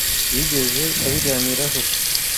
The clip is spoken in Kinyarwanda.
yigeze abiganiraho.